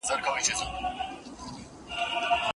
د ميرمني په سبب خپل مور، پلار يا نورقريبان له ځانه ليري نکړئ.